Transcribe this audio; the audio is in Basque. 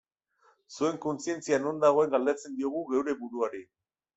Zuen kontzientzia non dagoen galdetzen diogu geure buruari.